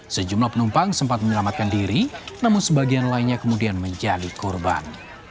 sejumlah penumpang sempat menyelamatkan diri namun sebagian lainnya kemudian menjadi korban